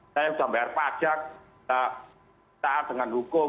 saya sudah bayar pajak sudah taat dengan hukum